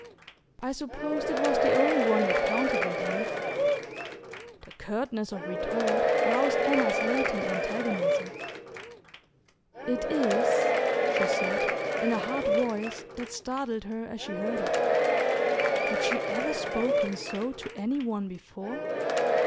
"I supposed it was the only one that counted with you." The curtness of retort roused Anna's latent antagonism. "It is," she said, in a hard voice that startled her as she heard it. Had she ever spoken so to any one before?